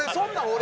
俺？